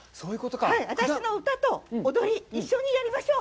私の歌と踊り、一緒にやりましょう！